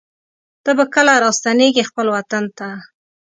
ته به کله راستنېږې خپل وطن ته